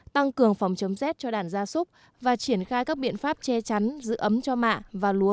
tăng cường phòng chống rét cho đàn gia súc và triển khai các biện pháp che chắn giữ ấm cho mạ và lúa